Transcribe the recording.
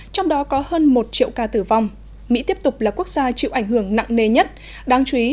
trong đó có hơn một triệu ca tử vong mỹ tiếp tục là quốc gia chịu ảnh hưởng nặng nề nhất đáng chú ý